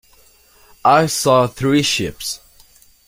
I saw three ships.